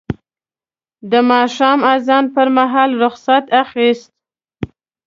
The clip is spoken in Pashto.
د ماښام اذان پر مهال رخصت اخیست.